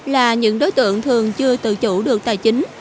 là những đối tượng thường chưa tự chủ được tài chính